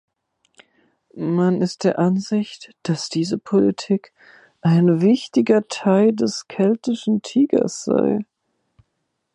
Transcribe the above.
Man ist der Ansicht, dass diese Politik ein wichtiger Teil des Keltischen Tigers sei.